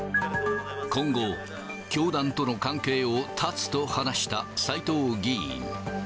今後、教団との関係を断つと話した斎藤議員。